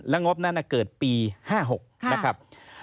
และงบนั้นน่ะเกิดปี๕๖นะครับ